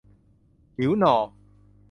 หิวน่อ